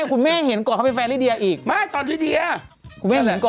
คุณแม่เห็นก่อนเขาไปแฟนลิเยียอีก